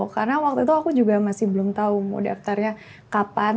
karena waktu itu aku juga masih belum tahu mau daftarnya kapan